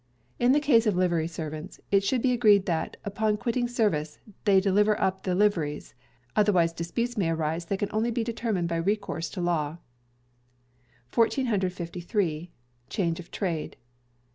In the case of Livery Servants, it should be agreed that, upon quitting service, they deliver up the liveries; otherwise disputes may arise that can only be determined by recourse to law. 1453. Change of Trade.